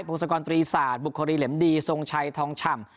งศกรตรีศาสตร์บุครีเหล็มดีทรงชัยทองฉ่ำ